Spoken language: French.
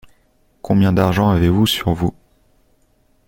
Combien d’argent avez-vous sur vous ?